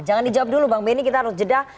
jangan dijawab dulu bang benny kita harus jeda